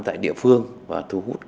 tại địa phương và thu hút